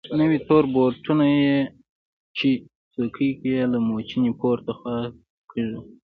نوي تور بوټونه يې چې څوکې يې لکه موچڼې پورته خوا کږې وې.